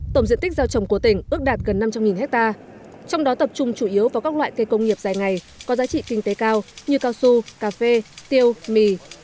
tổng diện tích gieo trồng của tỉnh ước đạt gần năm trăm linh hectare trong đó tập trung chủ yếu vào các loại cây công nghiệp dài ngày có giá trị kinh tế cao như cao su cà phê tiêu mì